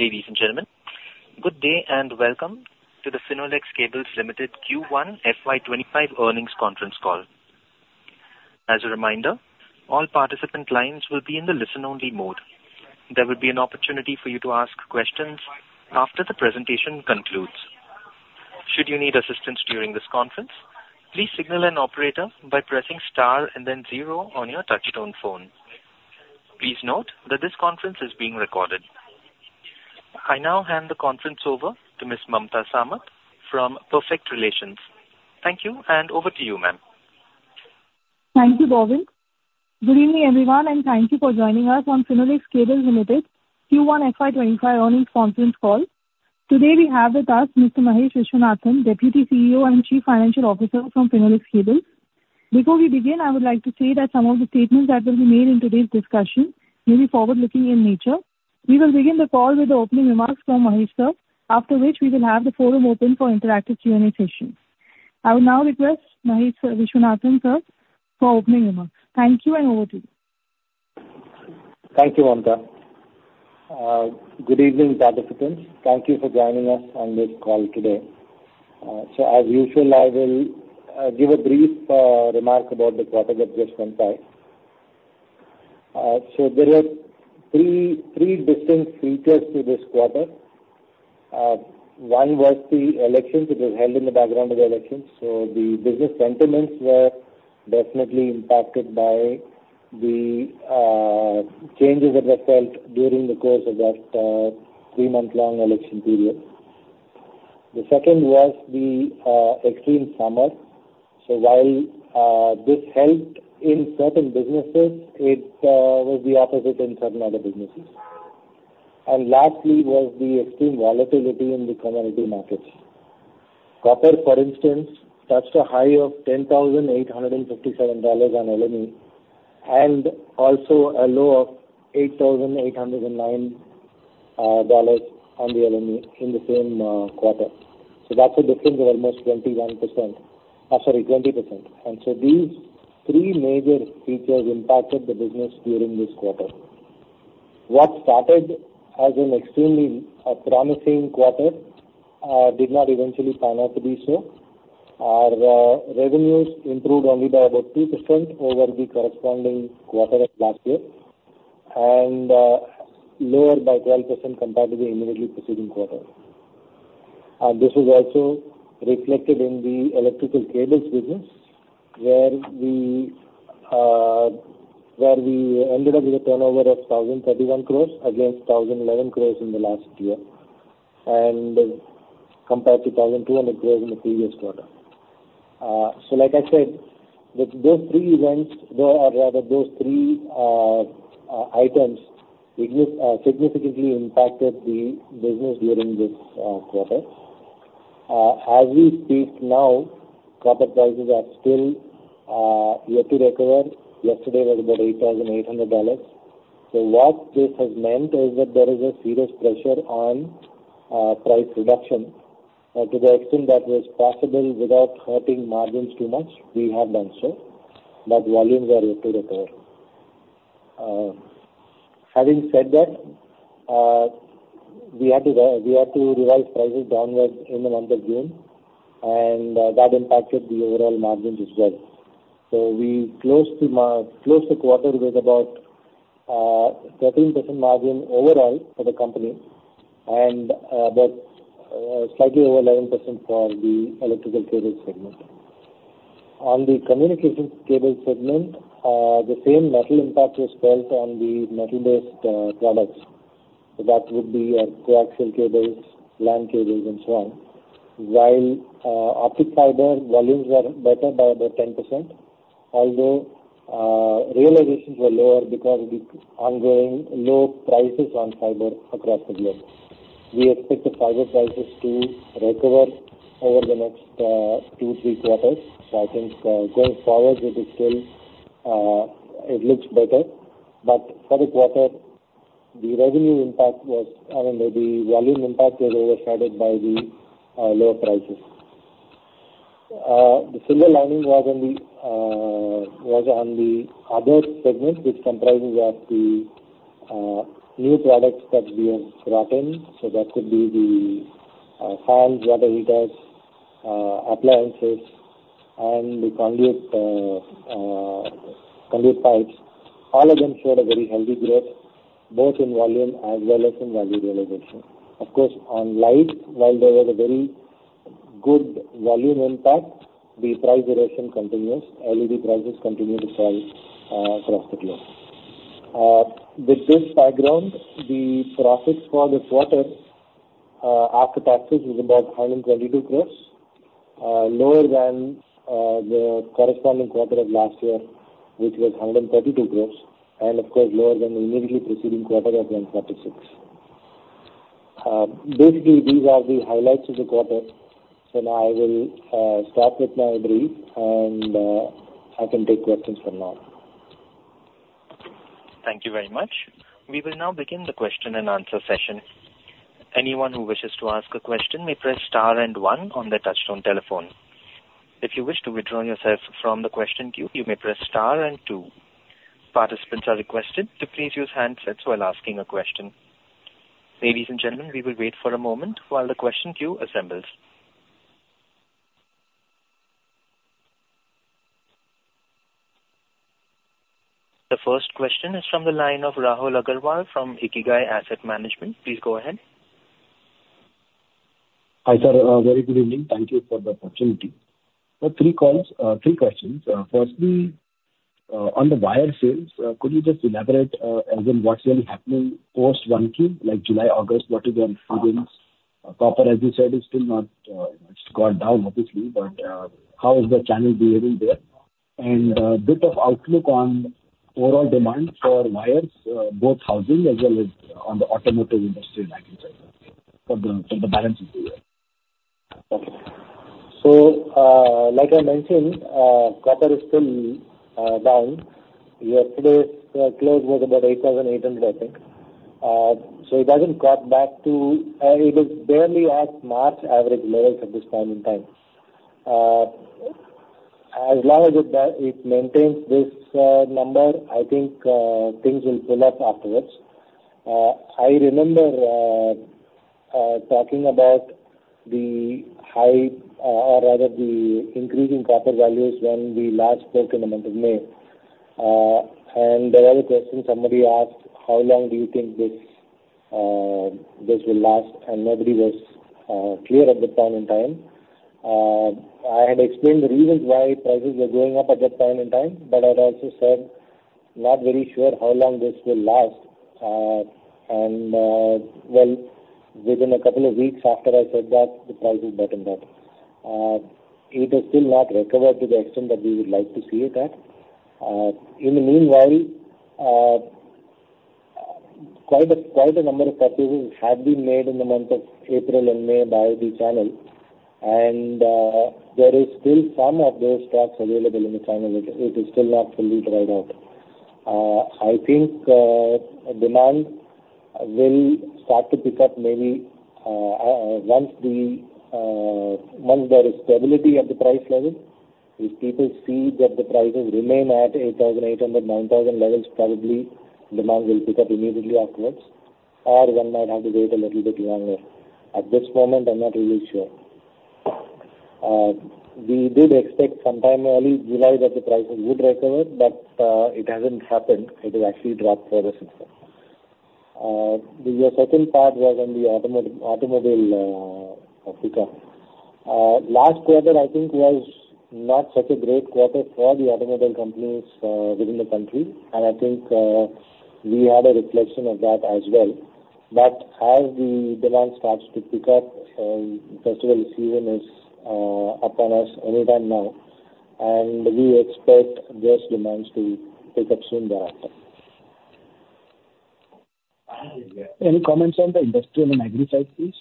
Ladies and gentlemen, good day and welcome to the Finolex Cables Limited Q1 FY 2025 Earnings Conference Call. As a reminder, all participant lines will be in the listen-only mode. There will be an opportunity for you to ask questions after the presentation concludes. Should you need assistance during this conference, please signal an operator by pressing star and then zero on your touchtone phone. Please note that this conference is being recorded. I now hand the conference over to Ms. Mamta Samat from Perfect Relations. Thank you, and over to you, ma'am. Thank you, Bhavin. Good evening, everyone, and thank you for joining us on Finolex Cables Limited Q1 FY 2025 Earnings Conference Call. Today, we have with us Mr. Mahesh Viswanathan, Deputy CEO and Chief Financial Officer from Finolex Cables. Before we begin, I would like to say that some of the statements that will be made in today's discussion may be forward-looking in nature. We will begin the call with the opening remarks from Mahesh, sir. After which, we will have the forum open for interactive Q&A session. I will now request Mahesh Viswanathan, sir, for opening remarks. Thank you, and over to you. Thank you, Mamta. Good evening, participants. Thank you for joining us on this call today. So as usual, I will give a brief remark about the quarter that just went by. So there are three, three distinct features to this quarter. One was the elections. It was held in the background of the elections, so the business sentiments were definitely impacted by the changes that were felt during the course of that three-month-long election period. The second was the extreme summer. So while this helped in certain businesses, it was the opposite in certain other businesses. And lastly was the extreme volatility in the commodity markets. Copper, for instance, touched a high of $10,857 on LME, and also a low of $8,809 dollars on the LME in the same quarter. So that's a difference of almost 21%, sorry, 20%. And so these three major features impacted the business during this quarter. What started as an extremely promising quarter did not eventually pan out to be so. Our revenues improved only by about 2% over the corresponding quarter of last year, and lower by 12% compared to the immediately preceding quarter. And this is also reflected in the electrical cables business, where we where we ended up with a turnover of 1,031 crore against 1,011 crore in the last year, and compared to 1,200 crore in the previous quarter. So like I said, those three events, or rather those three items, significantly impacted the business during this quarter. As we speak now, copper prices are still yet to recover. Yesterday was about $8,800. So what this has meant is that there is a serious pressure on price reduction. To the extent that was possible without hurting margins too much, we have done so, but volumes are yet to recover. Having said that, we had to revise prices downward in the month of June, and that impacted the overall margins as well. So we closed the quarter with about 13% margin overall for the company and about slightly over 11% for the electrical cable segment. On the communication cable segment, the same metal impact was felt on the metal-based products. So that would be our coaxial cables, LAN cables, and so on. While optic fiber volumes were better by about 10%, although realizations were lower because of the ongoing low prices on fiber across the globe. We expect the fiber prices to recover over the next two-three quarters. So I think going forward, it is still it looks better, but for this quarter, the revenue impact was, I mean, the volume impact was overshadowed by the lower prices. The silver lining was on the other segments, which comprises of the new products that we have brought in, so that could be the fans, water heaters, appliances and the conduit pipes. All of them showed a very healthy growth, both in volume as well as in value realization. Of course, on lighting, while there was a very good volume impact, the price reduction continues. LED prices continue to fall, across the globe. With this background, the profits for this quarter, after taxes, is about 122 crores, lower than, the corresponding quarter of last year, which was 132 crores, and of course, lower than the immediately preceding quarter of 146. Basically, these are the highlights of the quarter. So now I will, stop with my brief, and, I can take questions from now. Thank you very much. We will now begin the question-and-answer session. Anyone who wishes to ask a question, may press star and one on their touchtone telephone. If you wish to withdraw yourself from the question queue, you may press star and two. Participants are requested to please use handsets while asking a question. Ladies and gentlemen, we will wait for a moment while the question queue assembles. The first question is from the line of Rahul Agarwal from Ikigai Asset Management. Please go ahead. Hi, sir. Very good evening. Thank you for the opportunity. So three calls, three questions. Firstly, on the wire sales, could you just elaborate, as in what's really happening post Q1, like July, August, what is the influence? Copper, as you said, is still not, it's gone down, obviously, but, how is the channel behaving there? And, bit of outlook on overall demand for wires, both housing as well as on the automotive industry, from the, from the balance of the year. So, like I mentioned, copper is still down. Yesterday's close was about 8,800, I think. So it hasn't got back to, it is barely at March average levels at this point in time. As long as it maintains this number, I think, things will pull up afterwards. I remember talking about the high, or rather the increasing copper values when we last spoke in the month of May. And there was a question somebody asked: How long do you think this will last? And nobody was clear at that point in time. I had explained the reasons why prices were going up at that point in time, but I'd also said, not very sure how long this will last. Well, within a couple of weeks after I said that, the prices bottomed out. It has still not recovered to the extent that we would like to see it at. In the meanwhile, quite a number of purchases have been made in the month of April and May by the channel, and there is still some of those stocks available in the channel. It is still not fully dried out. I think demand will start to pick up maybe once there is stability at the price level. If people see that the prices remain at 8,800-9,000 levels, probably demand will pick up immediately afterwards, or one might have to wait a little bit longer. At this moment, I'm not really sure. We did expect sometime early July that the prices would recover, but it hasn't happened. It has actually dropped further since then. Your second part was on the automobile sector. Last quarter, I think, was not such a great quarter for the automobile companies within the country, and I think we had a reflection of that as well. But as the demand starts to pick up, festival season is upon us anytime now, and we expect those demands to pick up soon thereafter. Any comments on the industrial and agri side, please?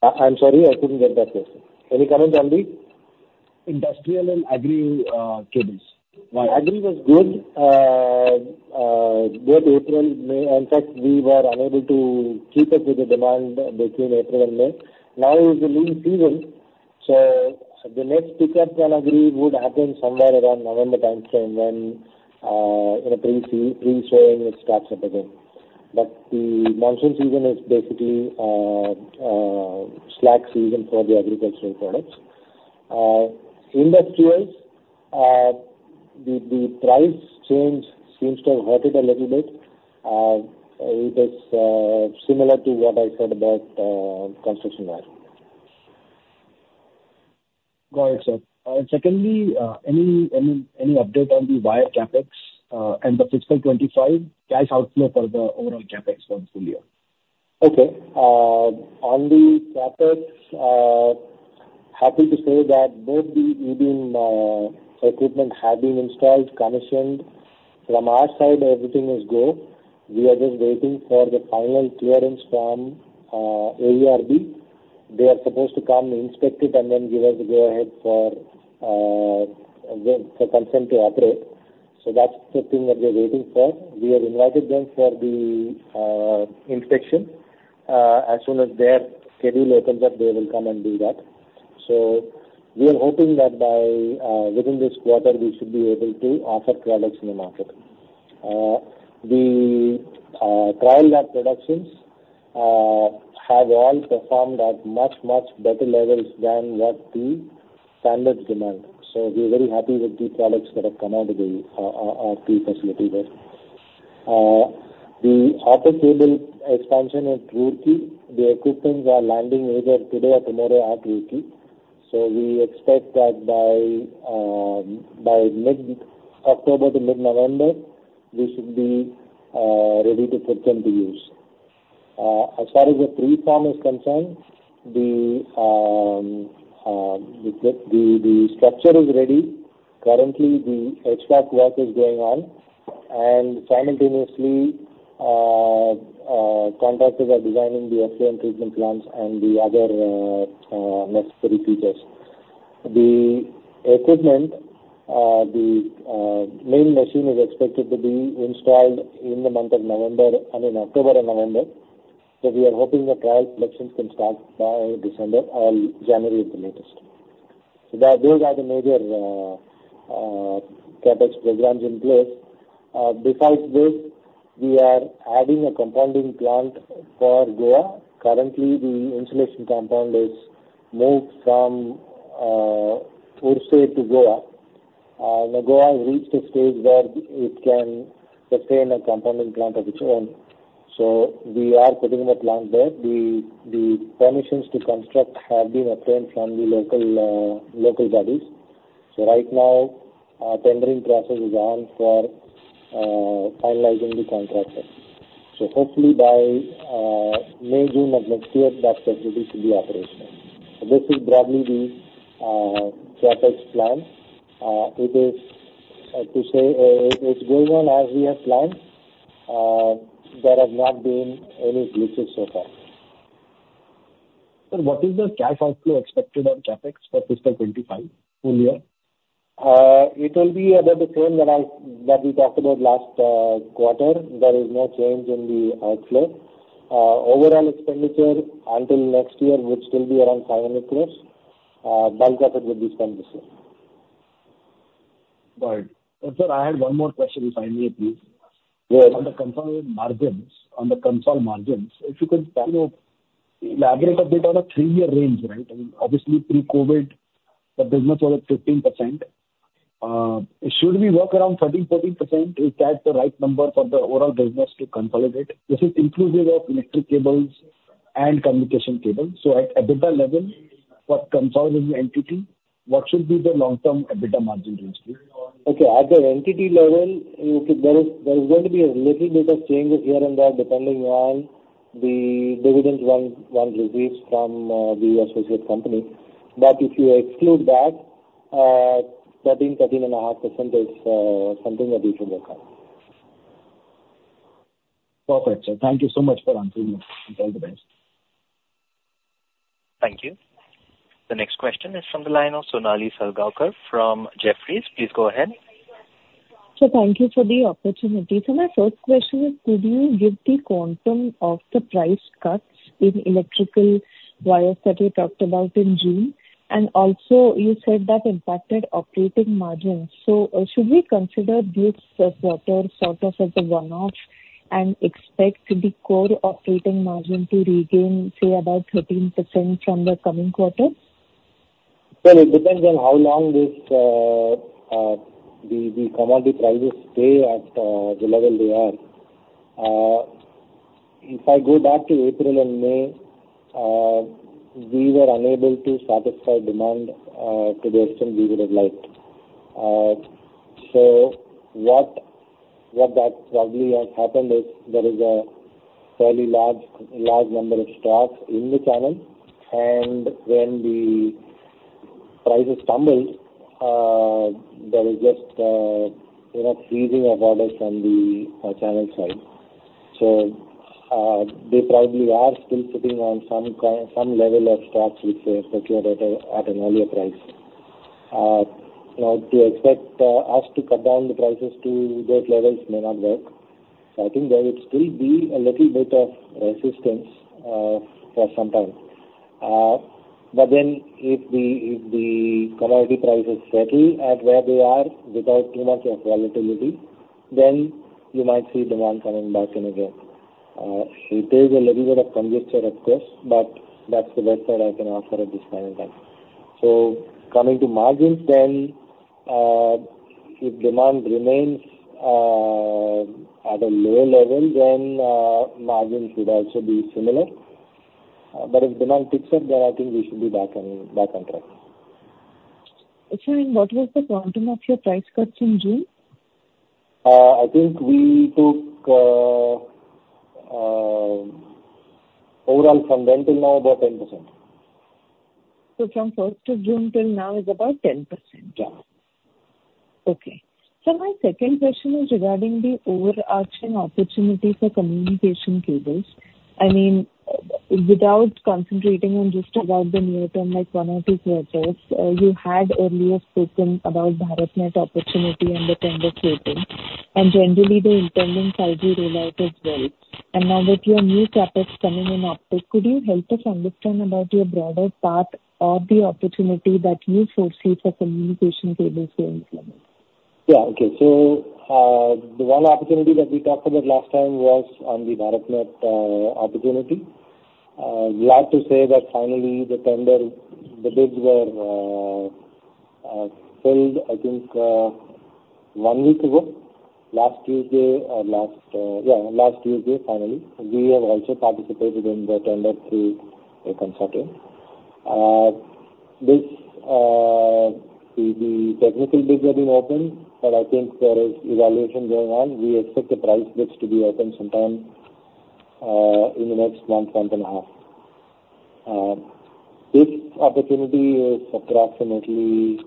I'm sorry, I couldn't get that question. Any comments on the? Industrial and agri cables. Agri was good. Both April, May. In fact, we were unable to keep up with the demand between April and May. Now is the lean season, so the next pickup in agri would happen somewhere around November timeframe, when, you know, pre-sow, pre-sowing starts up again. But the monsoon season is basically slack season for the agricultural products. Industrials, the price change seems to have hurt it a little bit. It is similar to what I said about construction wire. Got it, sir. Secondly, any update on the wire CapEx, and the fiscal 2025 cash outflow for the overall CapEx for the full year? Okay. On the CapEx, happy to say that both the E-beam equipment have been installed, commissioned. From our side, everything is go. We are just waiting for the final clearance from AERB. They are supposed to come, inspect it, and then give us the go-ahead for, again, for consent to operate. So that's the thing that we're waiting for. We have invited them for the inspection. As soon as their schedule opens up, they will come and do that. So we are hoping that by within this quarter, we should be able to offer products in the market. The trial lab productions have all performed at much, much better levels than what the standards demand. So we're very happy with the products that have come out of our two facilities there. The optical cable expansion at Roorkee, the equipment is landing either today or tomorrow at Roorkee. So we expect that by mid-October to mid-November, we should be ready to put them to use. As far as the preform is concerned, the structure is ready. Currently, the HVAC work is going on, and simultaneously, contractors are designing the ETP treatment plants and the other necessary features. The equipment, the main machine is expected to be installed in the month of November, I mean, October or November. So we are hoping the trial production can start by December or January at the latest. So that, those are the major CapEx programs in place. Besides this, we are adding a compounding plant for Goa. Currently, the insulation compound is moved from Puducherry to Goa. Now Goa has reached a stage where it can sustain a compounding plant of its own. So we are putting a plant there. The permissions to construct have been obtained from the local bodies. So right now, our tendering process is on for finalizing the contractors. So hopefully by May, June of next year, that facility should be operational. This is broadly the CapEx plan. It is, I have to say, it's going on as we have planned. There has not been any glitches so far. Sir, what is the cash outflow expected on CapEx for fiscal 2025, full year? It will be about the same that I, that we talked about last quarter. There is no change in the outflow. Overall expenditure until next year, which will be around 500 crores. Bulk of it will be spent this year. Got it. Sir, I had one more question if I may, please. Yes. On the consolidated margins, on the consolidated margins, if you could, you know, elaborate a bit on a three-year range, right? Obviously, pre-COVID, the business was at 15%. Should we work around 13%-14% to catch the right number for the overall business to consolidate? This is inclusive of electric cables and communication cables. So at EBITDA level, for consolidated entity, what should be the long-term EBITDA margin range, please? Okay. At the entity level, okay, there is going to be a little bit of change here and there, depending on the dividends one receives from the associate company. But if you exclude that, 13%-13.5% is something that we should look at. Perfect, sir. Thank you so much for answering me. All the best. Thank you. The next question is from the line of Sonali Salgaonkar from Jefferies. Please go ahead. Thank you for the opportunity. My first question is, could you give the quantum of the price cuts in electrical wires that you talked about in June? And also, you said that impacted operating margins. So, should we consider this quarter sort of as a one-off and expect the core operating margin to regain, say, about 13% from the coming quarter? Well, it depends on how long this, the commodity prices stay at, the level they are. If I go back to April and May, we were unable to satisfy demand, to the extent we would have liked. So what that probably has happened is there is a fairly large number of stocks in the channel, and when the prices tumbled, there was just, you know, freezing of orders on the channel side. So, they probably are still sitting on some level of stocks which they secured at an earlier price. Now, to expect us to cut down the prices to those levels may not work. So I think there would still be a little bit of resistance, for some time. But then if the, if the commodity prices settle at where they are without too much of volatility, then you might see demand coming back in again. It is a little bit of conjecture, of course, but that's the best that I can offer at this point in time. So coming to margins then, if demand remains, at a lower level, then, margins should also be similar. But if demand picks up, then I think we should be back on, back on track. Sir, what was the quantum of your price cuts in June? I think we took, overall from then till now, about 10%. From first of June till now is about 10%? Yeah. Okay. So my second question is regarding the overarching opportunity for communication cables. I mean, without concentrating on just about the near term, like one or two quarters, you had earlier spoken about BharatNet opportunity and the tender closing, and generally the impending 5G rollout as well. And now with your new CapEx coming in optic, could you help us understand about your broader part of the opportunity that you foresee for communication cables going forward? Yeah. Okay. So, the one opportunity that we talked about last time was on the BharatNet opportunity. Glad to say that finally the tender, the bids were filed, I think, one week ago, last Tuesday or last, yeah, last Tuesday, finally. We have also participated in the tender through a consultant. The technical bids have been opened, but I think there is evaluation going on. We expect the price bids to be open sometime in the next month, month and a half. This opportunity is approximately,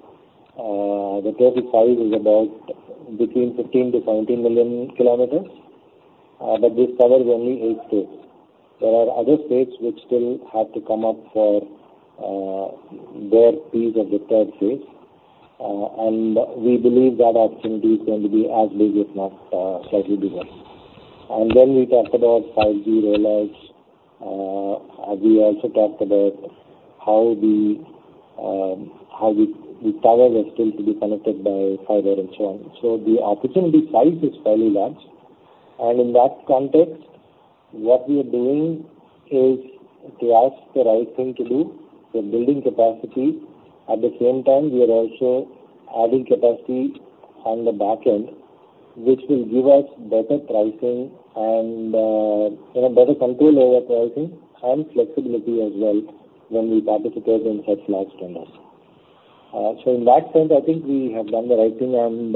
the total size is about between 15 million-17 million km, but this covers only eight states. There are other states which still have to come up for their piece of the third phase.... And we believe that opportunity is going to be as big, if not, slightly bigger. And then we talked about 5G rollout, and we also talked about how the, how the, the towers are still to be connected by fiber and so on. So the opportunity size is fairly large, and in that context, what we are doing is to ask the right thing to do. We're building capacity. At the same time, we are also adding capacity on the back end, which will give us better pricing and, you know, better control over pricing and flexibility as well when we participate in such large tenders. So in that sense, I think we have done the right thing, and,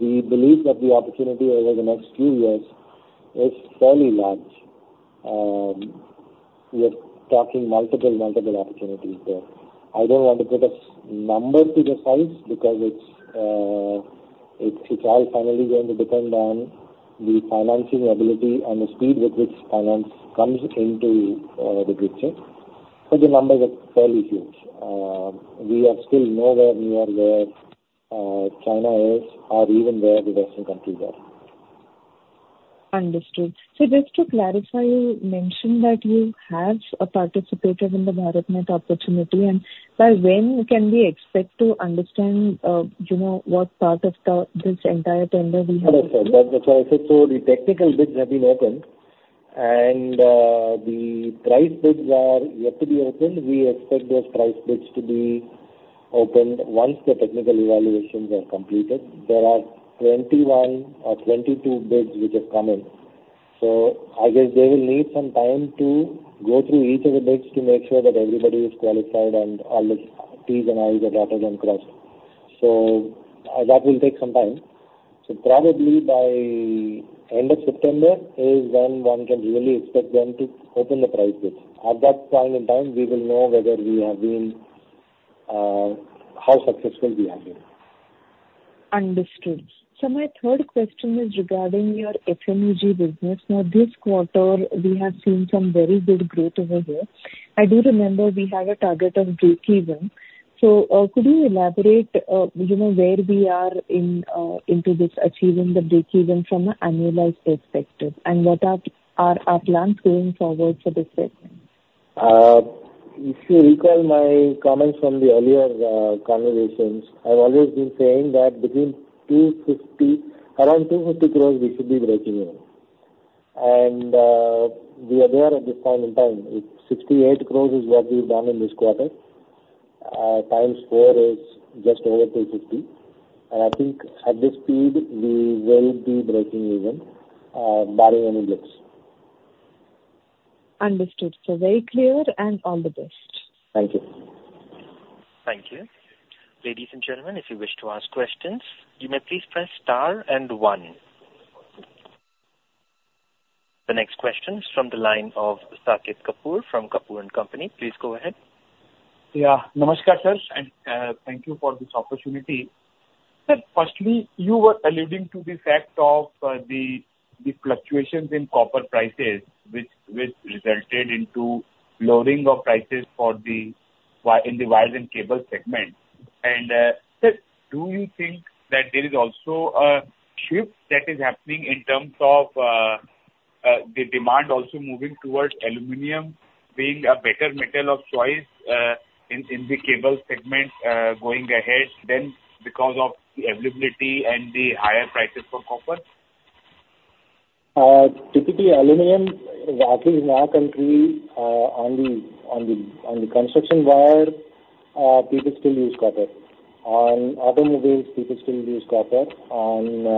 we believe that the opportunity over the next few years is fairly large. We are talking multiple, multiple opportunities there. I don't want to put a number to the size, because it's all finally going to depend on the financing ability and the speed with which finance comes into the picture. But the numbers are fairly huge. We are still nowhere near where China is or even where the Western countries are. Understood. So just to clarify, you mentioned that you have participated in the BharatNet opportunity, and by when can we expect to understand, you know, what part of the, this entire tender we have? Understood. That's why I said so the technical bids have been opened, and the price bids are yet to be opened. We expect those price bids to be opened once the technical evaluations are completed. There are 21 or 22 bids which have come in, so I guess they will need some time to go through each of the bids to make sure that everybody is qualified and all the T's and I's are dotted and crossed. That will take some time. Probably by end of September is when one can really expect them to open the price bids. At that point in time, we will know whether we have been... how successful we have been. Understood. So my third question is regarding your FMEG business. Now, this quarter, we have seen some very good growth over here. I do remember we had a target of breakeven. So, could you elaborate, you know, where we are in, into this achieving the breakeven from an annualized perspective, and what are, are our plans going forward for this segment? If you recall my comments from the earlier conversations, I've always been saying that between 250 crores, around 250 crores we should be breaking even. We are there at this point in time. It's 68 crores is what we've done in this quarter. Times four is just over 250, and I think at this speed, we will be breaking even, barring any glitch. Understood. So, very clear, and all the best. Thank you. Thank you. Ladies and gentlemen, if you wish to ask questions, you may please press star and one. The next question is from the line of Saket Kapoor from Kapoor & Company. Please go ahead. Yeah. Namaskar, sir, and, thank you for this opportunity. Sir, firstly, you were alluding to the fact of the fluctuations in copper prices, which resulted into lowering of prices for the wi- in the wires and cable segment. Sir, do you think that there is also a shift that is happening in terms of the demand also moving towards aluminum being a better metal of choice in the cable segment going ahead then, because of the availability and the higher prices for copper? Typically, aluminum, at least in our country, on the construction wire, people still use copper. On automobiles, people still use copper. On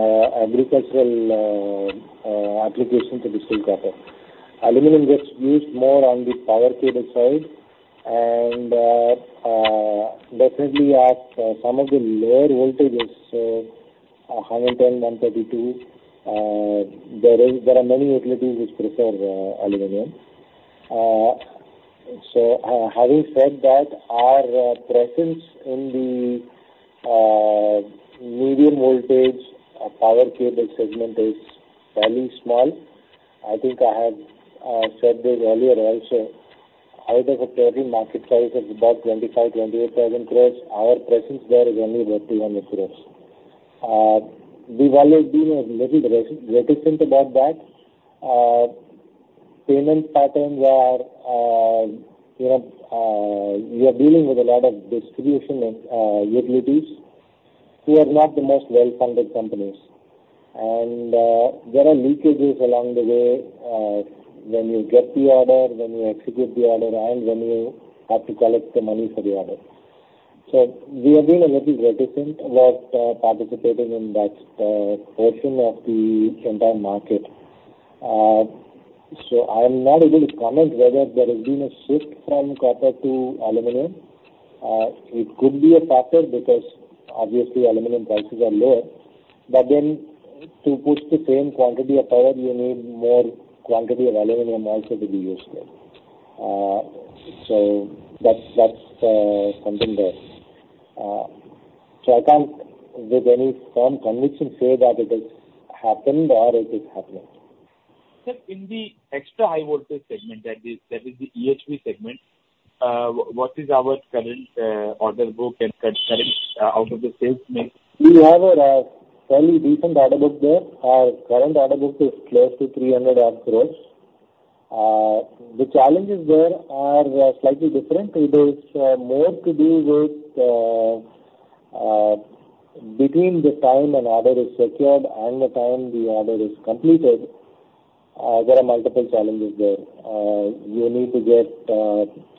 agricultural applications, they still use copper. Aluminum gets used more on the power cable side and definitely at some of the lower voltages, 110, 132, there are many utilities which prefer aluminum. So, having said that, our presence in the medium voltage power cable segment is fairly small. I think I have said this earlier also. Out of a total market size of about 25,000 crore-28,000 crore, our presence there is only about 300 crore. We've always been a little reticent about that. Payment patterns are, you know, we are dealing with a lot of distribution and utilities, who are not the most well-funded companies. There are leakages along the way, when you get the order, when you execute the order, and when you have to collect the money for the order. We have been a little reticent about participating in that portion of the entire market. I am not able to comment whether there has been a shift from copper to aluminum. It could be a factor, because obviously aluminum prices are lower. But then to push the same quantity of power, you need more quantity of aluminum also to be used there. That's something there. I can't, with any firm conviction, say that it has happened or it is happening.... Sir, in the extra high voltage segment, that is, that is the EHV segment, what is our current order book and current out of the sales mix? We have a fairly decent order book there. Our current order book is close to 300 odd crores. The challenges there are slightly different. It is more to do with between the time an order is secured and the time the order is completed, there are multiple challenges there. You need to get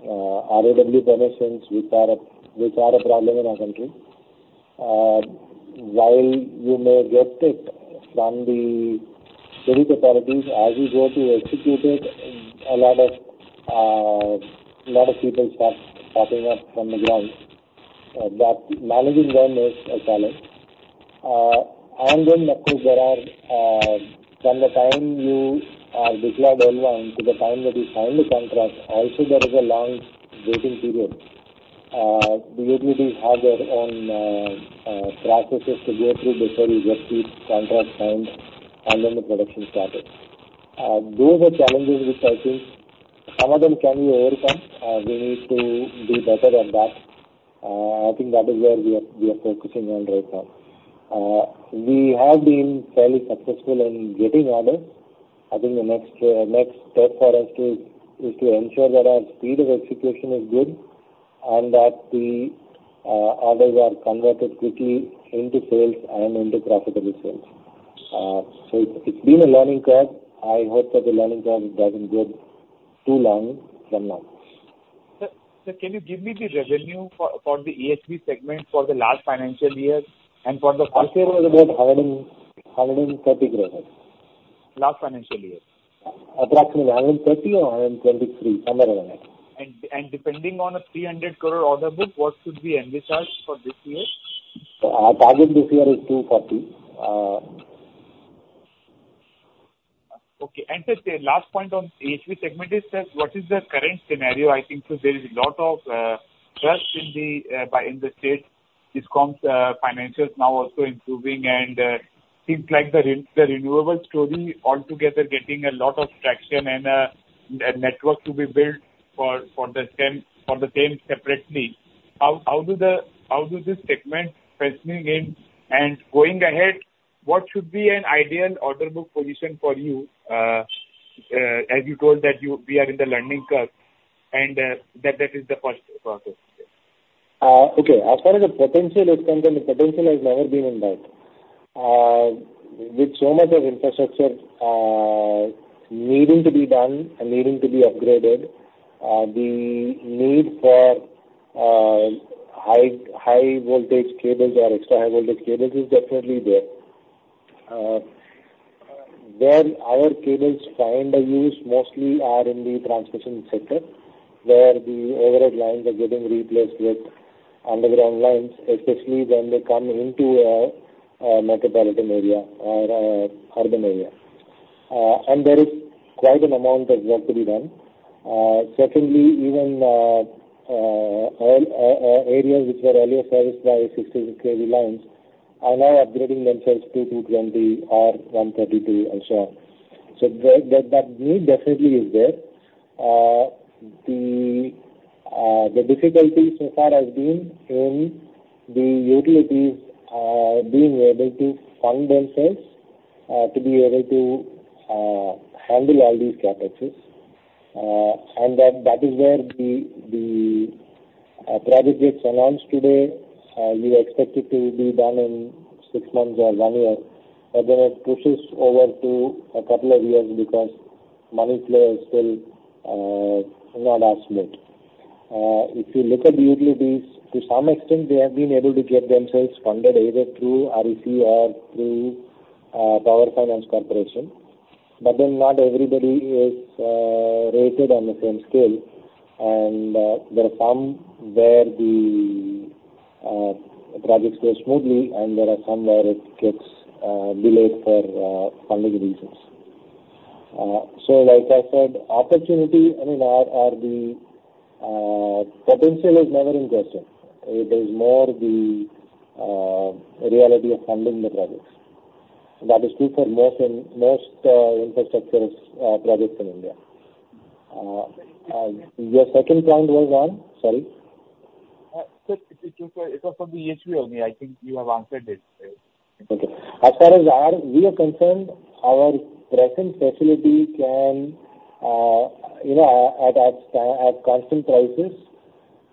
ROW permissions, which are a problem in our country. While you may get it from the civic authorities, as you go to execute it, a lot of people start popping up from the ground. That managing them is a challenge. And then, of course, there are from the time you are declared online to the time that you sign the contract, also there is a long waiting period. The utilities have their own processes to go through before you get the contract signed and then the production started. Those are challenges which I think some of them can be overcome. We need to do better at that. I think that is where we are, we are focusing on right now. We have been fairly successful in getting orders. I think the next next step for us to, is to ensure that our speed of execution is good, and that the orders are converted quickly into sales and into profitable sales. So it's been a learning curve. I hope that the learning curve doesn't get too long from now. Sir, sir, can you give me the revenue for the EHV segment for the last financial year and for the current? Last year was about 130 crore. Last financial year? Approximately 130 crore or 123 crore, somewhere around there. Depending on a 300 crore order book, what should we envisage for this year? Our target this year is 240 crore. Okay. Just a last point on EHV segment is, sir, what is the current scenario? I think so there is a lot of trust in the buy-in from the state discoms' financials now also improving and things like the renewables story altogether getting a lot of traction and a network to be built for the same separately. How does this segment fit in again? And going ahead, what should be an ideal order book position for you? As you told that we are in the learning curve, and that is the first process. Okay. As far as the potential is concerned, the potential has never been in doubt. With so much of infrastructure needing to be done and needing to be upgraded, the need for high high voltage cables or extra high voltage cables is definitely there. Where our cables find a use mostly are in the transmission sector, where the overhead lines are getting replaced with underground lines, especially when they come into a metropolitan area or a urban area. And there is quite an amount of work to be done. Secondly, even all areas which were earlier serviced by 16 KV lines are now upgrading themselves to 220 or 132, and so on. So that need definitely is there. The difficulty so far has been in the utilities being able to fund themselves to be able to handle all these CapExes. And then that is where the projects which announced today you expect it to be done in six months or one year, but then it pushes over to a couple of years because money flow is still not as smooth. If you look at the utilities, to some extent, they have been able to get themselves funded either through REC or through Power Finance Corporation. But then not everybody is rated on the same scale, and there are some where the projects go smoothly and there are some where it gets delayed for funding reasons. So like I said, opportunity, I mean, the potential is never in question. It is more the reality of funding the projects. That is true for most infrastructure projects in India. Your second point was what? Sorry. Sir, it was, it was on the EHV only. I think you have answered it. Okay. As far as we are concerned, our present facility can, you know, at constant prices,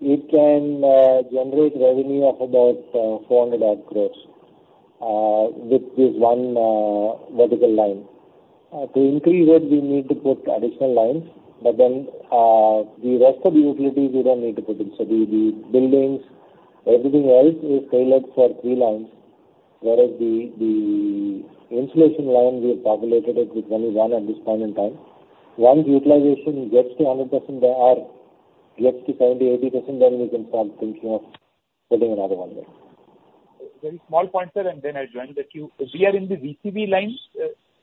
it can generate revenue of about 400-odd crore with this one vertical line. To increase it, we need to put additional lines, but then the rest of the utilities, we don't need to put in. So the buildings, everything else is tailored for three lines, whereas the insulation line, we have populated it with only one at this point in time. Once utilization gets to 100% or gets to 70%-80%, then we can start thinking of putting another one there. Very small point, sir, and then I'll join the queue. We are in the VCV lines,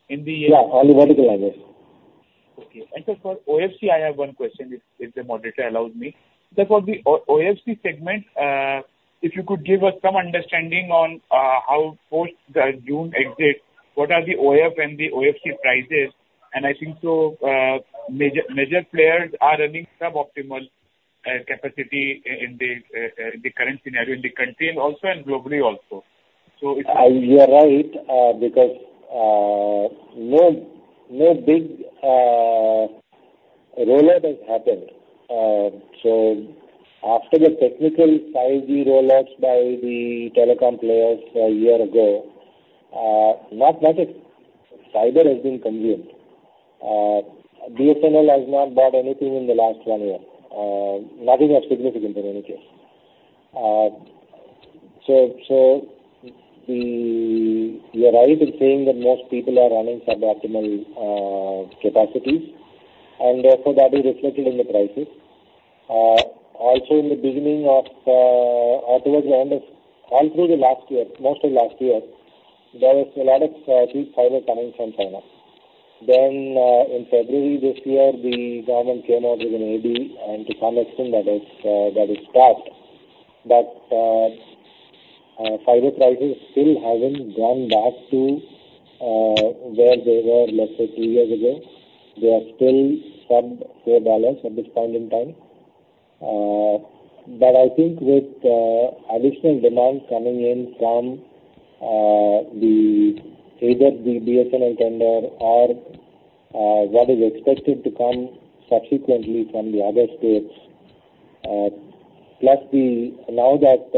in the- Yeah, only vertical lines.... Okay, and so for OFC, I have one question, if the moderator allows me. Sir, for the OFC segment, if you could give us some understanding on how post the June exit, what are the OF and the OFC prices? And I think so, major players are running suboptimal capacity in the current scenario, in the country and also globally also. So it's- You are right, because no big rollout has happened. So after the technical 5G rollouts by the telecom players a year ago, not a fiber has been consumed. BSNL has not bought anything in the last one year, nothing of significant, in any case. You are right in saying that most people are running suboptimal capacities, and therefore that is reflected in the prices. Also in the beginning of, or towards the end of, all through the last year, most of last year, there was a lot of cheap fiber coming from China. Then, in February this year, the government came out with an AD, and to some extent that is stopped. But fiber prices still haven't gone back to where they were, let's say, two years ago. They are still sub-$4 at this point in time. But I think with additional demand coming in from either the BSNL tender or what is expected to come subsequently from the other states, plus now that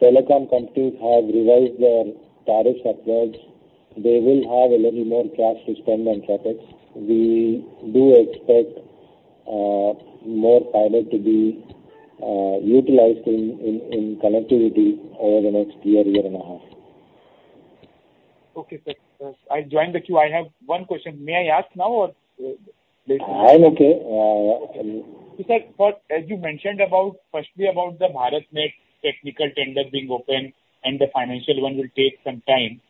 telecom companies have revised their tariffs upwards, they will have a little more cash to spend on CapEx. We do expect more fiber to be utilized in connectivity over the next year and a half. Okay, sir. I joined the queue. I have one question. May I ask now or later? I'm okay. Yeah. Sir, but as you mentioned about, firstly, about the BharatNet technical tender being open and the financial one will take some time,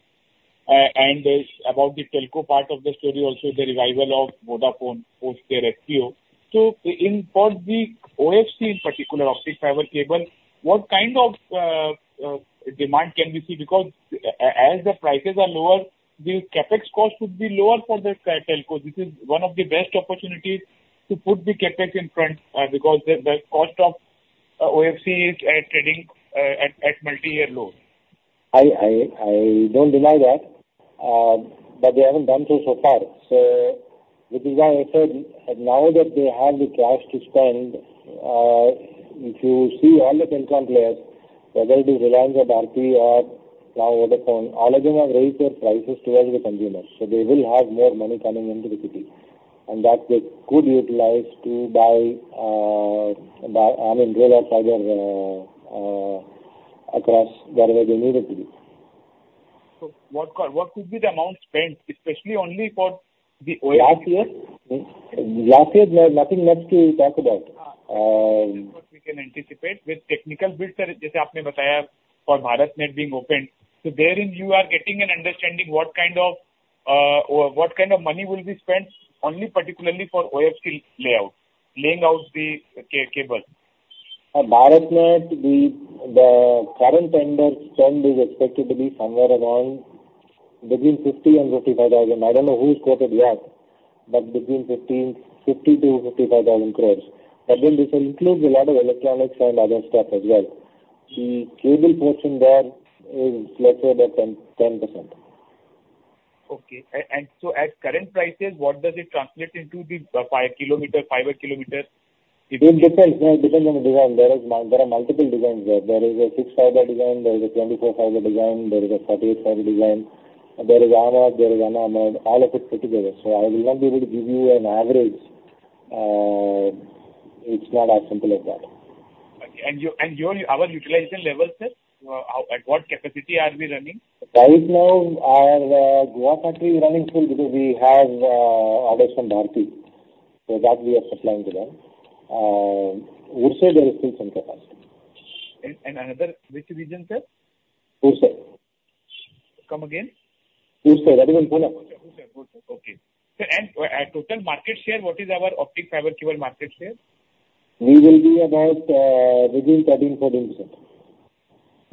and there's about the telco part of the story, also the revival of Vodafone post their FPO. So in, for the OFC, in particular, optic fiber cable, what kind of demand can we see? Because as the prices are lower, the CapEx cost would be lower for the telco. This is one of the best opportunities to put the CapEx in front, because the cost of OFC is trading at multi-year low. I don't deny that, but they haven't done so, so far. So which is why I said, now that they have the cash to spend, if you see all the telecom players, whether it be Reliance or Bharti or now Vodafone, all of them have raised their prices towards the consumers, so they will have more money coming into the city. And that they could utilize to buy, I mean, roll out fiber across wherever they need it to be. What could be the amount spent, especially only for the OF-? Last year? Last year, there's nothing much to talk about. What we can anticipate with technical bids, like you said, for BharatNet being opened, so therein you are getting an understanding what kind of, or what kind of money will be spent only particularly for OFC layout, laying out the cable. BharatNet, the current tender spend is expected to be somewhere around between 50,000-55,000 crore. I don't know who's quoted yet, but between 50,000 to 55,000 crore. This includes a lot of electronics and other stuff as well. The cable portion there is, let's say, about 10%, 10%. Okay. And so at current prices, what does it translate into, the five km, fiber km? It depends, it depends on the design. There are multiple designs there. There is a six-fiber design, there is a 24-fiber design, there is a 48-fiber design, there is armor, there is no armor, all of it put together. So I will not be able to give you an average. It's not as simple as that. Okay. And our utilization levels, sir, at what capacity are we running? Right now, our Goa factory is running full because we have orders from Bharti, so that we are supplying to them. Would say there is still some capacity. And another which region, sir? Pune. Come again. Pune, that is in Pune. Pune, Pune. Okay. Sir, and, at total market share, what is our optic fiber cable market share? We will be about between 13%-14%.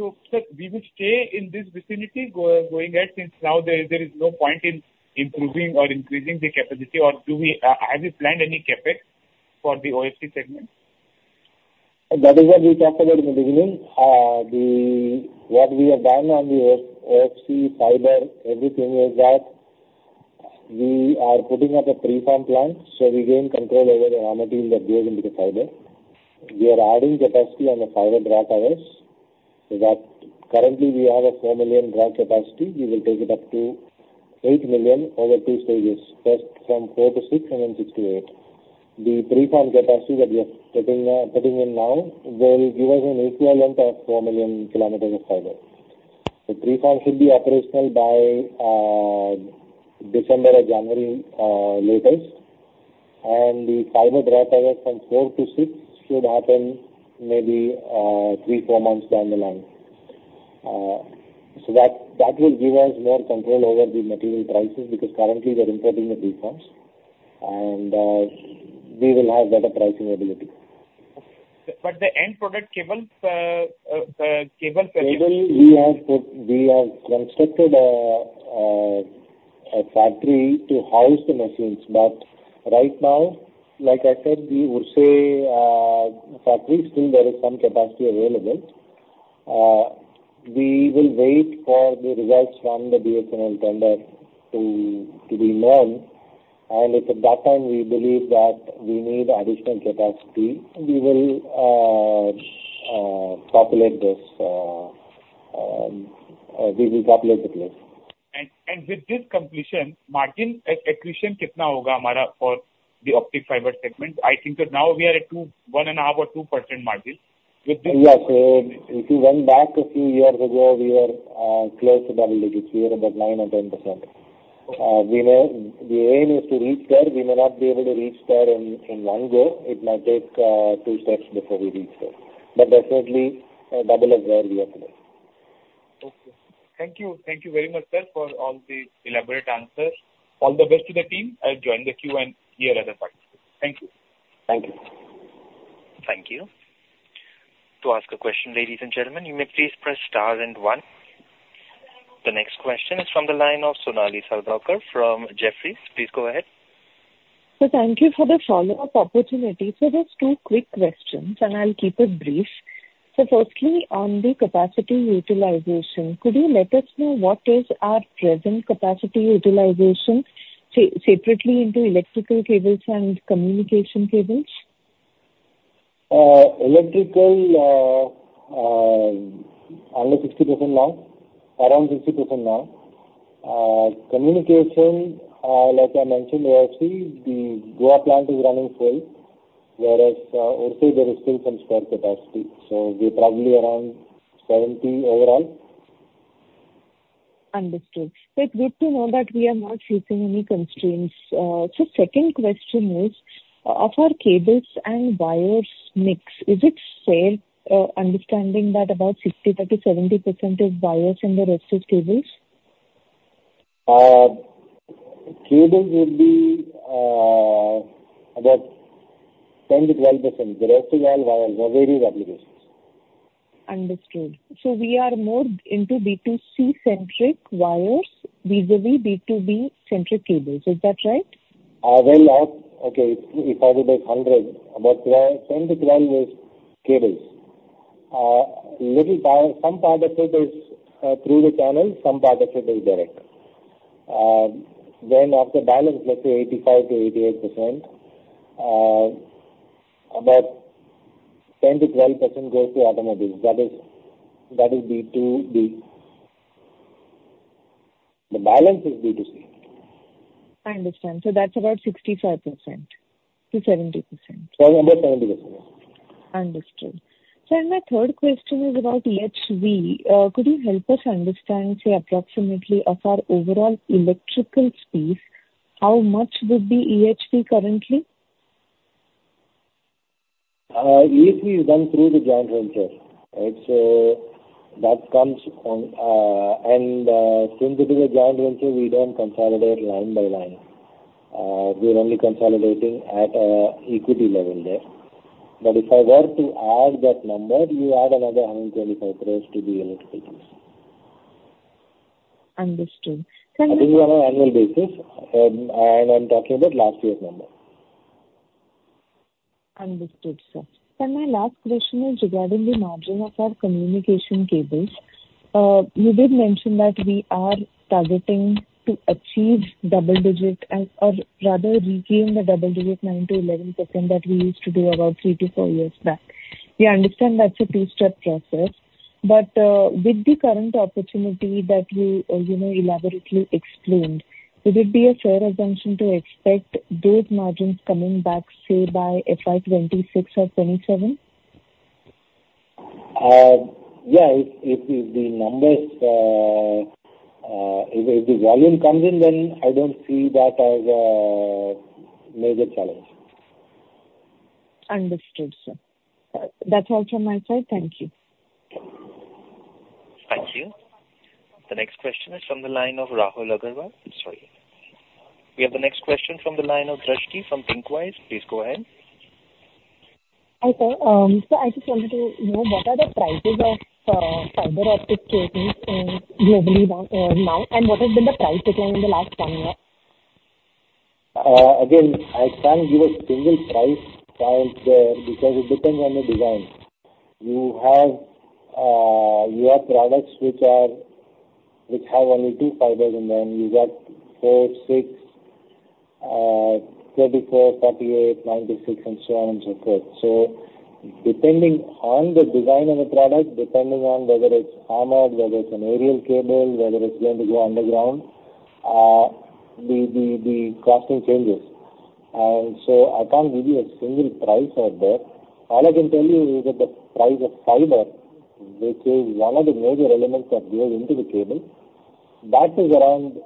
So, sir, we will stay in this vicinity, going ahead, since now there is no point in improving or increasing the capacity, or do we... have you planned any CapEx for the OFC segment? That is what we talked about in the beginning. What we have done on the OF-OFC fiber, everything like that, we are putting up a preform plant, so we gain control over the raw material that goes into the fiber. We are adding capacity on the fiber draw towers, so that currently we have a 4 million draw capacity. We will take it up to 8 million over two stages, first from four to six, and then six to eight. The preform capacity that we are putting in now will give us an equivalent of 4 million km of fiber. The preform should be operational by December or January, latest, and the fiber draw out from four to six should happen maybe three-four months down the line. So that will give us more control over the material prices, because currently we are importing the preforms, and we will have better pricing ability. But the end product cables, Cable, we have constructed a factory to house the machines, but right now, like I said, the Urse factory, still there is some capacity available. We will wait for the results from the BSNL tender to be known, and if at that time we believe that we need additional capacity, we will populate this, we will populate the place. With this completion, margin accretion..., for the optic fiber segment. I think that now we are at 2%, 1.5% or 2% margin. With this- Yeah, so if you went back a few years ago, we were close to double digits. We were about 9% or 10%. Okay. We may... The aim is to reach there. We may not be able to reach there in one go. It might take two steps before we reach there, but definitely double of where we are today. Okay. Thank you. Thank you very much, sir, for all the elaborate answers. All the best to the team. I'll join the queue and hear other parts. Thank you. Thank you. Thank you. To ask a question, ladies and gentlemen, you may please press star and one. The next question is from the line of Sonali Salgaonkar from Jefferies. Please go ahead. Thank you for the follow-up opportunity. Just two quick questions, and I'll keep it brief. Firstly, on the capacity utilization, could you let us know what is our present capacity utilization, separately into electrical cables and communication cables? Electrical, under 60% now, around 60% now. Communication, like I mentioned, AFC, the Goa plant is running well, whereas, Urse there is still some spare capacity. So we're probably around 70% overall. Understood. So it's good to know that we are not facing any constraints. So second question is, of our cables and wires mix, is it fair, understanding that about 60%-70% is wires and the rest is cables? Cables would be about 10%-12%. The rest are all wires for various applications. Understood. So we are more into B2C-centric wires vis-a-vis B2B-centric cables. Is that right? Well, okay, if I were to say 100, about 10%-12% is cables. LT wire, some part of it is through the channel, some part of it is direct. Then, of the balance, let's say 85%-88%, about 10%-12% goes to automotive. That is, that is B2B. The balance is B2C. I understand. That's about 65%-70%. Around 70%. Understood. So my third question is about EHV. Could you help us understand, say, approximately of our overall electrical space, how much would be EHV currently? EHV is done through the joint venture. It's that comes on. And since it is a joint venture, we don't consolidate line by line. We're only consolidating at equity level there. But if I were to add that number, you add another 125 crore to the electrical space. Understood. Sir- This is on an annual basis, and I'm talking about last year's number. Understood, sir. So my last question is regarding the margin of our communication cables. You did mention that we are targeting to achieve double digit or rather regain the double digit, 9%-11% that we used to do about three-four years back. We understand that's a two-step process, but, with the current opportunity that you, you know, elaborately explained, would it be a fair assumption to expect those margins coming back, say, by FY 2026 or 2027? Yeah, if the numbers, if the volume comes in, then I don't see that as a major challenge. Understood, sir. That's all from my side. Thank you. Thank you. The next question is from the line of Rahul Agarwal. Sorry. We have the next question from the line of Drashti from Thinkwise. Please go ahead. Hi, sir. So I just wanted to know, what are the prices of fiber optic cables globally now, and what has been the price change in the last one year? Again, I can't give a single price point, because it depends on the design. You have, you have products which are, which have only two fibers in them. You got four, six, 34, 38, 96, and so on and so forth. So depending on the design of the product, depending on whether it's armored, whether it's an aerial cable, whether it's going to go underground, the costing changes. So I can't give you a single price out there. All I can tell you is that the price of fiber, which is one of the major elements that goes into the cable. That is around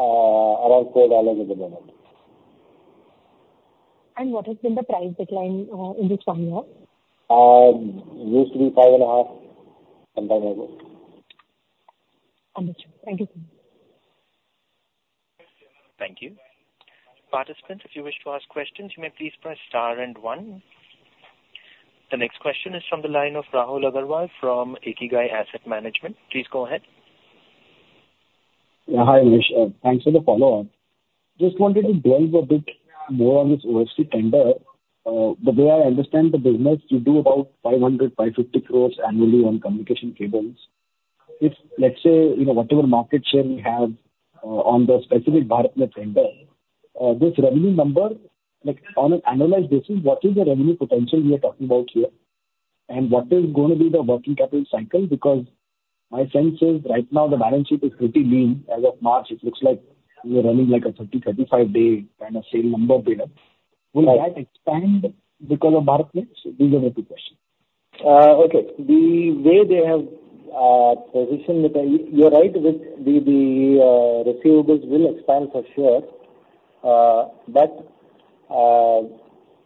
$4 at the moment. What has been the price decline in this one year? Used to be 5.5 sometime ago. Understood. Thank you, sir. Thank you. Participants, if you wish to ask questions, you may please press star and one. The next question is from the line of Rahul Agarwal from Ikigai Asset Management. Please go ahead. Yeah, hi, Manish. Thanks for the follow-up. Just wanted to delve a bit more on this OFC tender. The way I understand the business, you do about 500 crores-550 crores annually on communication cables. If, let's say, you know, whatever market share we have, on the specific BharatNet tender, this revenue number, like, on an annualized basis, what is the revenue potential we are talking about here? And what is going to be the working capital cycle? Because my sense is, right now, the balance sheet is pretty lean. As of March, it looks like we are running, like, a 30-35 day kind of sale number build-up. Will that expand because of BharatNet? These are the two questions. Okay. The way they have positioned it, you're right, with the receivables will expand for sure, but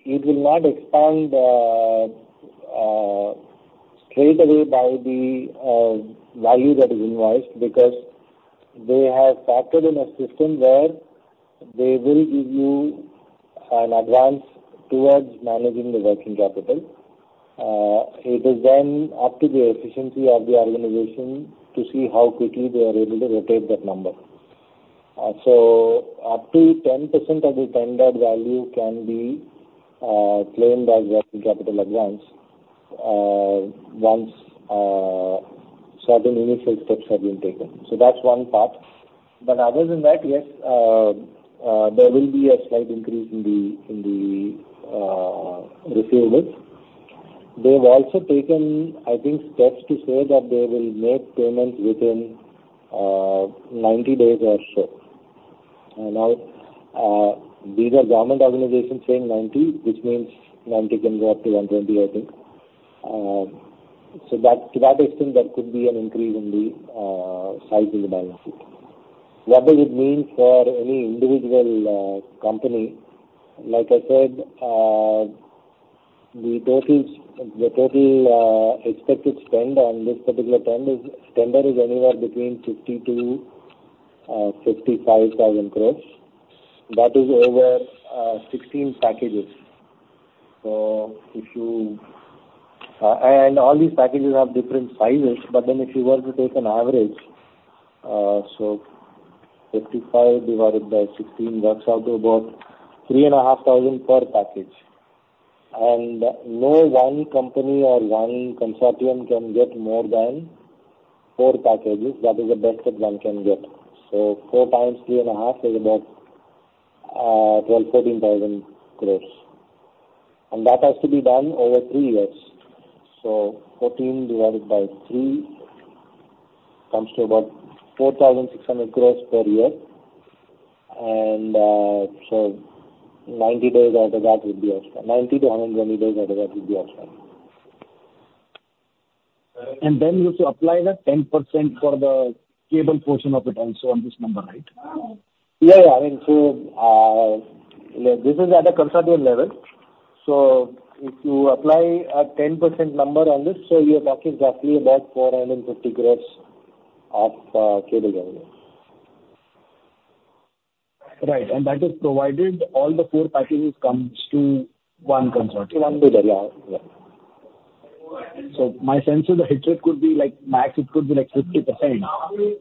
it will not expand straightaway by the value that is invoiced, because they have factored in a system where they will give you an advance towards managing the working capital. It is then up to the efficiency of the organization to see how quickly they are able to rotate that number. So up to 10% of the tender value can be claimed as working capital advance, once certain initial steps have been taken. So that's one part. But other than that, yes, there will be a slight increase in the receivables. They've also taken, I think, steps to say that they will make payments within 90 days or so. Now, these are government organizations saying 90, which means 90 can go up to 120, I think. So that, to that extent, there could be an increase in the size of the balance sheet. What does it mean for any individual company? Like I said, the total expected spend on this particular tender is anywhere between 50,000 crores-55,000 crores. That is over 16 packages. And all these packages have different sizes, but then if you were to take an average, so 55 divided by 16 works out to about 3.5 thousand per package. And no one company or one consortium can get more than four packages. That is the best that one can get. Four times 3.5 is about 12,000-14,000 crore. That has to be done over three years. 14 divided by three comes to about 4,600 crore per year. And so 90 days out of that would be outstanding. 90-120 days out of that would be outstanding. And then you should apply the 10% for the cable portion of it also on this number, right? Yeah, yeah. I mean, so, yeah, this is at a consortium level. If you apply a 10% number on this, you're talking roughly about 450 crore of cable revenue. Right. And that is provided all the four packages comes to one consortium. One bidder, yeah. Yeah. So my sense is the hit rate could be, like, max, it could be, like, 50%.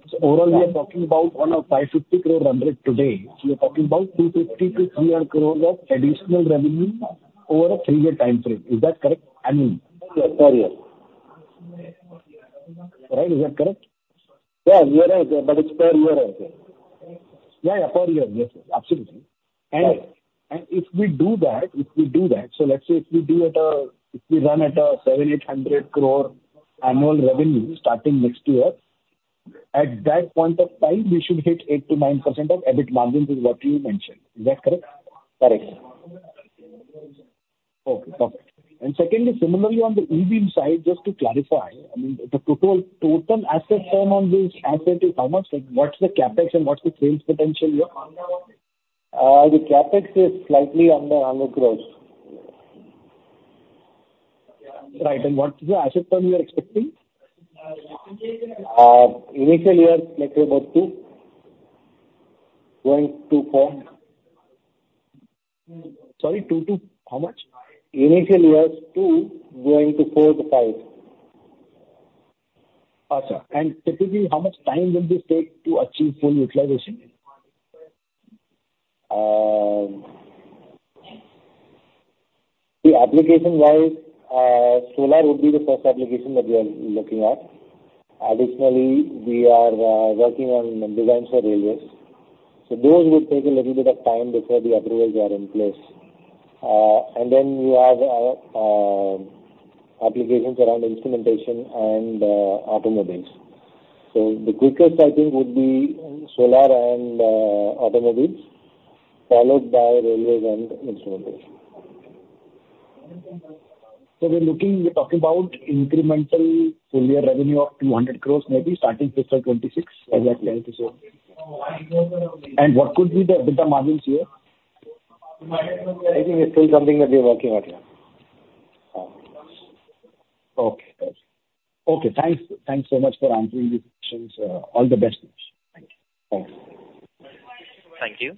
So overall, we are talking about on a 550 crore run rate today. So you're talking about 250-300 crore of additional revenue over a three-year timeframe. Is that correct? I mean- Yes, per year. Right. Is that correct? Yeah, year on year, but it's per year also. Yeah, yeah, per year. Yes, yes, absolutely. Right. And if we do that, so let's say if we run at a 700 crore-800 crore annual revenue starting next year, at that point of time, we should hit 8%-9% EBIT margins, is what you mentioned. Is that correct? Correct. Okay, perfect. And secondly, similarly, on the EV side, just to clarify, I mean, the total, total asset time on this asset is how much? Like, what's the CapEx and what's the sales potential here? The CapEx is slightly under 100 crore. Right. And what's the asset time you are expecting? Initial years, like about two, going to four. Sorry, two to how much? Initial years, two, going to four to five. Gotcha. And typically, how much time will this take to achieve full utilization? The application-wise, solar would be the first application that we are looking at. Additionally, we are working on designs for railways. So those would take a little bit of time before the approvals are in place. And then we have applications around instrumentation and automobiles. So the quickest, I think, would be solar and automobiles, followed by railways and instrumentation.... So we're looking, we're talking about incremental full year revenue of 200 crore, maybe starting fiscal 2026, is that right to say? And what could be the EBITDA margins here? I think it's still something that we're working on, yeah. Okay. Okay. Okay, thanks. Thanks so much for answering these questions. All the best. Thank you. Thank you.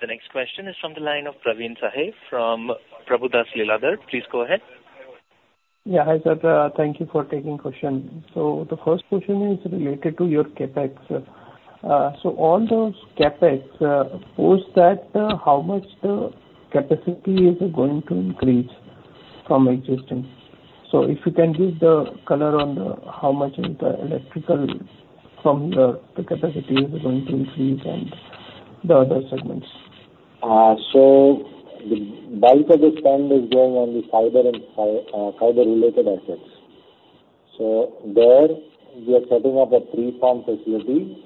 The next question is from the line of Praveen Sahay from Prabhudas Lilladher. Please go ahead. Yeah, hi, sir. Thank you for taking question. So the first question is related to your CapEx. So all those CapEx, post that, how much the capacity is going to increase from existing? So if you can give the color on the, how much in the electrical from the, the capacity is going to increase and the other segments. So the bulk of the spend is going on the fiber and fiber-related assets. So there, we are setting up a preform facility,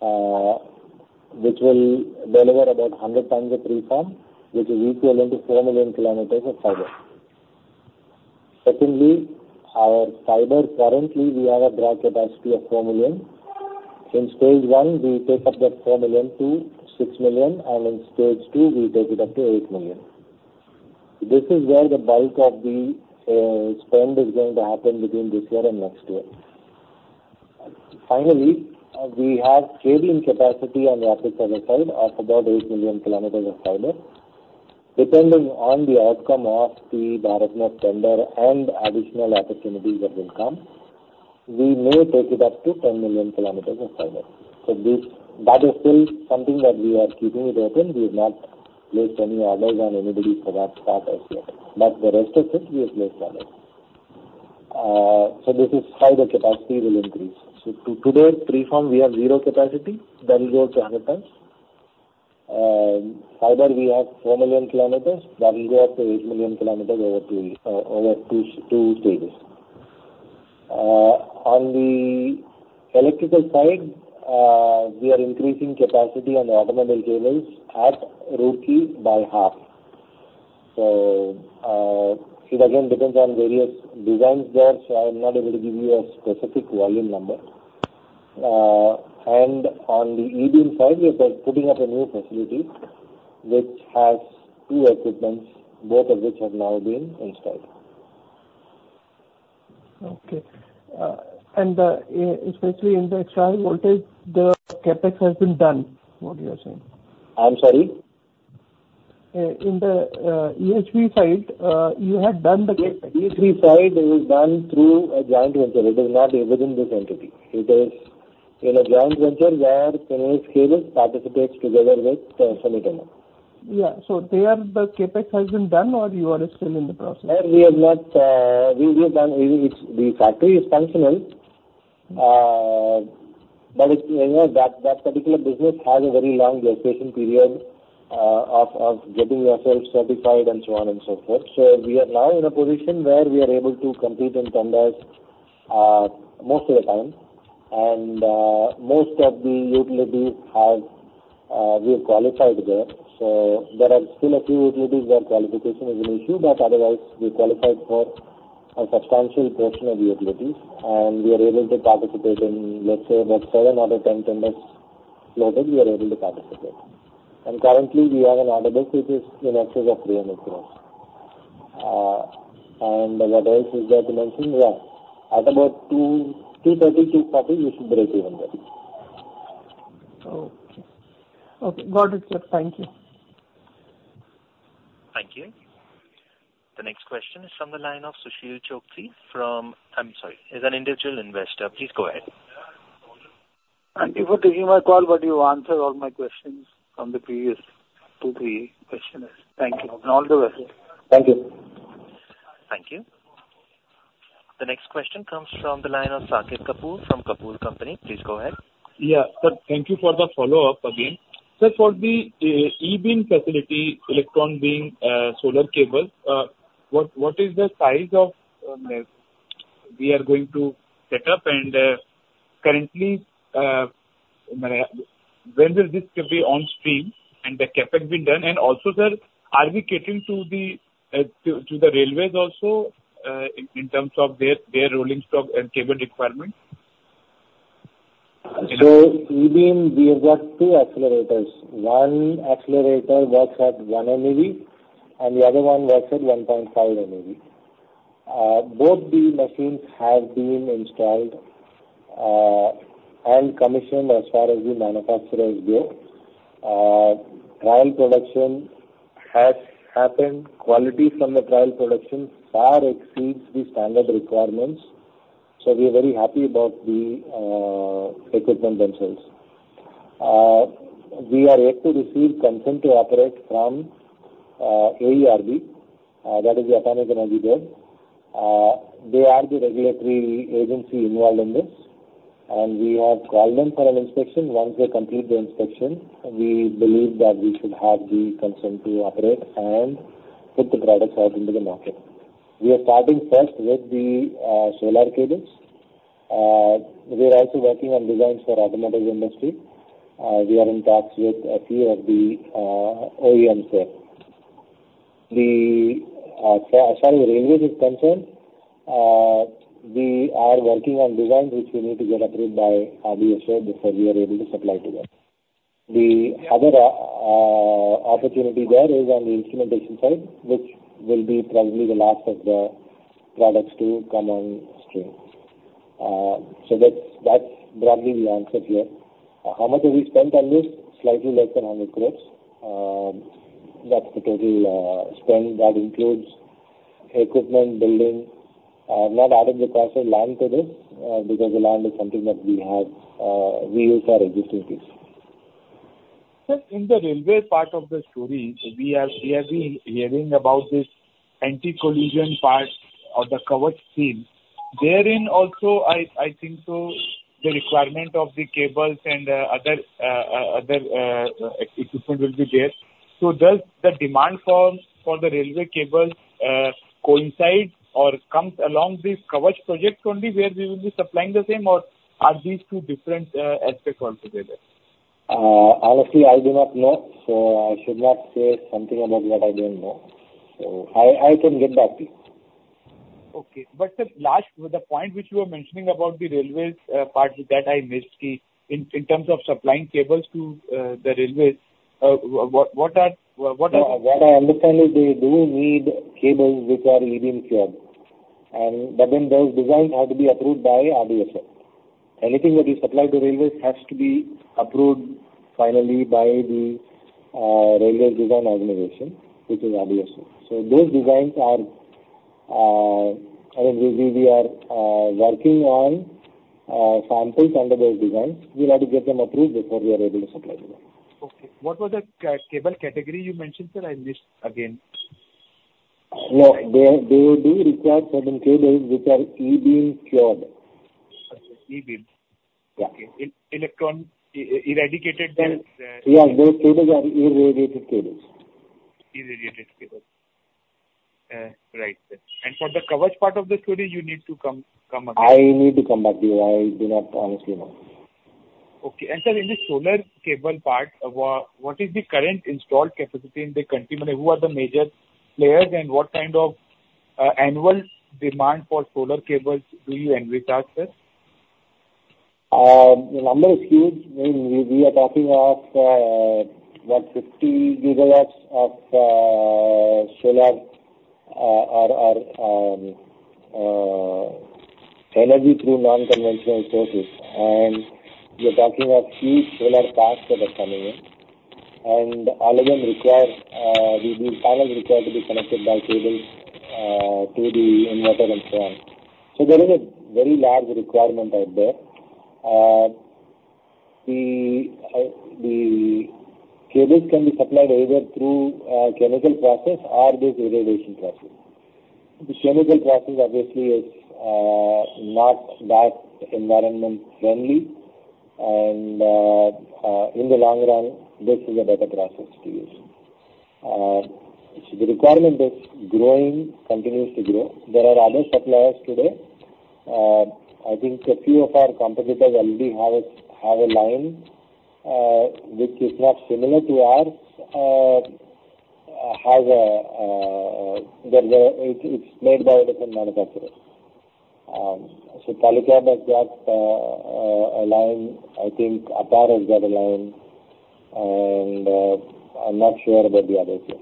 which will deliver about 100x the preform, which is equivalent to 4 million km of fiber. Secondly, our fiber, currently, we have a drawing capacity of 4 million. In stage one, we take up that 4 million-6 million, and in stage two, we take it up to 8 million. This is where the bulk of the spend is going to happen between this year and next year. Finally, we have cabling capacity on the optical side of about 8 million km of fiber. Depending on the outcome of the BharatNet tender and additional opportunities that will come, we may take it up to 10 million km of fiber. So this, that is still something that we are keeping it open. We've not placed any orders on anybody for that part as yet, but the rest of it, we have placed orders. So this is how the capacity will increase. So today, preform, we have zero capacity, that will go to 100x. Fiber, we have 4 million km, that will go up to 8 million km over two stages. On the electrical side, we are increasing capacity on the automobile cables at Roorkee by half. So, it again depends on various designs there, so I'm not able to give you a specific volume number. And on the E-beam side, we are putting up a new facility which has two equipment, both of which have now been installed. Okay. And especially in the extra high voltage, the CapEx has been done, what you are saying? I'm sorry? In the EHV side, you have done the CapEx. The EHV side, it was done through a joint venture. It is not within this entity. It is in a joint venture where Finolex J-Power Systems Limited participates together with Sumitomo. Yeah. So there, the CapEx has been done, or you are still in the process? We have done. It's the factory is functional, but it, you know, that particular business has a very long gestation period of getting yourself certified and so on and so forth. So we are now in a position where we are able to compete in tenders most of the time. And most of the utilities have, we are qualified there. So there are still a few utilities where qualification is an issue, but otherwise, we're qualified for a substantial portion of the utilities, and we are able to participate in, let's say, about seven out of ten tenders floated. We are able to participate. And currently, we have an order book which is in excess of 300 crore. And what else is there to mention? Yeah. At about 2:00, 2:30, 2:40, we should break even there. Okay. Okay, got it, sir. Thank you. Thank you. The next question is from the line of Sushil Chopra from... I'm sorry, is an individual investor. Please go ahead. Thank you for taking my call, but you answered all my questions from the previous two, three questioners. Thank you, and all the best. Thank you. Thank you. The next question comes from the line of Saket Kapoor from Kapoor & Company. Please go ahead. Yeah. Sir, thank you for the follow-up again. Sir, for the E-beam facility, electron beam, solar cable, what is the size of we are going to set up? And, currently, when will this could be on stream and the CapEx being done? And also, sir, are we catering to the railways also, in terms of their rolling stock and cable requirements? So E-beam, we have got two accelerators. One accelerator works at 1 MeV, and the other one works at 1.5 MeV. Both the machines have been installed and commissioned as far as the manufacturer is there. Trial production has happened. Quality from the trial production far exceeds the standard requirements, so we are very happy about the equipment themselves. We are yet to receive consent to operate from AERB, that is the Atomic Energy Regulatory Board. They are the regulatory agency involved in this, and we have called them for an inspection. Once they complete the inspection, we believe that we should have the consent to operate and put the products out into the market. We are starting first with the solar cables. We are also working on designs for automotive industry. We are in talks with a few of the OEM here. As far as the railway is concerned, we are working on designs which we need to get approved by RDSO before we are able to supply to them. The other opportunity there is on the instrumentation side, which will be probably the last of the products to come on stream. So that's broadly the answer here. How much have we spent on this? Slightly less than 100 crore. That's the total spend. That includes equipment, building. I've not added the cost of land to this, because the land is something that we have, we use our existing piece. Sir, in the railway part of the story, we have been hearing about this anti-collision part of the Kavach scheme. Therein also, I think so the requirement of the cables and other equipment will be there. So does the demand for the railway cable coincide or comes along this Kavach project only, where we will be supplying the same, or are these two different aspects altogether? Honestly, I do not know, so I should not say something about that I don't know. So I can get back to you. Okay. But sir, last, the point which you were mentioning about the railways, part that I missed, in terms of supplying cables to the railways, what are... what are- What I understand is they do need cables which are E-beam cured, but then those designs have to be approved by RDSO. Anything that is supplied to railways has to be approved finally by the Research Designs and Standards Organisation, which is RDSO. So those designs are currently, we are working on samples under those designs. We'll have to get them approved before we are able to supply to them. Okay. What was the cable category you mentioned, sir? I missed again. No, they, they do require certain cables which are E-beam cured. E-beam. Yeah. Electron e-irradiated cables? Yeah, those cables are irradiated cables. Irradiated cables. Right, sir. And for the Kavach part of the story, you need to come, come again. I need to come back to you. I do not honestly know. Okay. And sir, in the solar cable part, what is the current installed capacity in the country, and who are the major players, and what kind of annual demand for solar cables do you envisage, sir? The number is huge. We are talking of what, 50 GW of solar or energy through non-conventional sources. We are talking of huge solar parks that are coming in, and all of them require, the panels require to be connected by cables to the inverters and so on. There is a very large requirement out there. The cables can be supplied either through chemical process or this irradiation process. The chemical process obviously is not that environment friendly, and in the long run, this is a better process to use. The requirement is growing, continues to grow. There are other suppliers today. I think a few of our competitors already have a line which is not similar to ours, has a... It's made by a different manufacturer. So Polycab has got a line. I think Apar got a line, and I'm not sure about the others yet.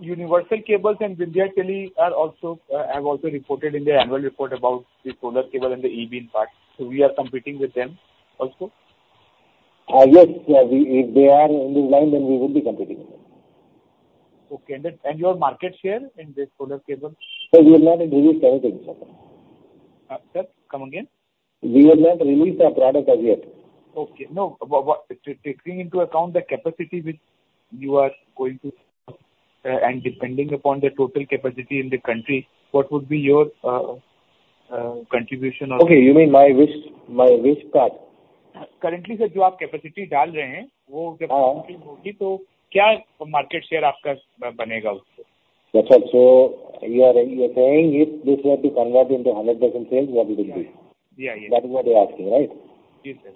Universal Cables and Vindhya Telelinks are also have also reported in their annual report about the solar cable and the E-beam part. So we are competing with them also? Yes. If they are in the line, then we will be competing with them. Okay. And your market share in this solar cable? Sir, we have not released anything, sir. Sir, come again. We have not released our product as yet. Okay. No, what—taking into account the capacity which you are going to, and depending upon the total capacity in the country, what would be your contribution also? Okay, you mean my wish, my wish part? Currently, sir,..., Uh-huh. So you are, you are saying if this were to convert into 100% sales, what it will be? Yeah. Yeah. That is what you're asking, right? Yes, sir.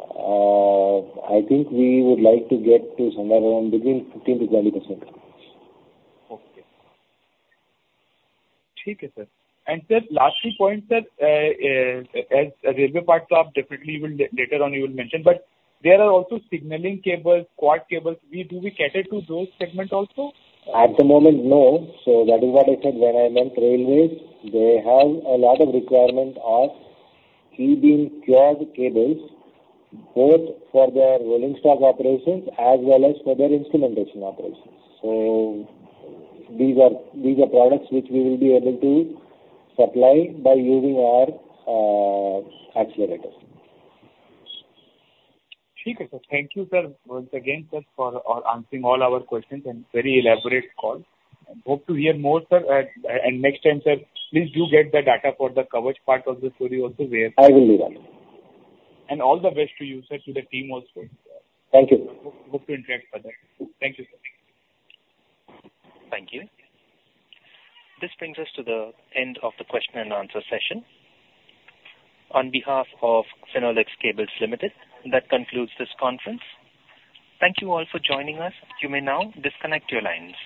I think we would like to get to somewhere around between 15%-20%. Okay. And sir, last two points, sir. As railway parts, so definitely you will later on you will mention, but there are also signaling cables, quad cables. Do we cater to those segment also? At the moment, no. So that is what I said when I meant railways. They have a lot of requirement of E-beam cured cables, both for their rolling stock operations as well as for their instrumentation operations. So these are, these are products which we will be able to supply by using our accelerator. Thank you, sir, once again, sir, for answering all our questions and very elaborate call. Hope to hear more, sir. Next time, sir, please do get the data for the Kavach part of the story also where- I will do that. All the best to you, sir, to the team also. Thank you. Hope to interact further. Thank you, sir. Thank you. This brings us to the end of the question and answer session. On behalf of Finolex Cables Limited, that concludes this conference. Thank you all for joining us. You may now disconnect your lines.